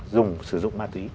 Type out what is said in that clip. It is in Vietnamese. dùng sử dụng ma túy